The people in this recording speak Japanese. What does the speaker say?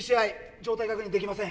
状態確認できません。